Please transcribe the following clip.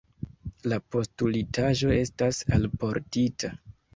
La postulitaĵo estas alportita.